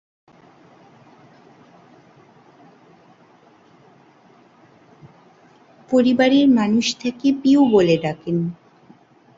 পরিবারের মানুষ তাকে পিউ বলে ডাকেন।